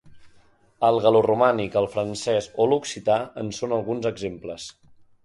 El gal·loromànic, el francès o l’occità en són alguns exemples.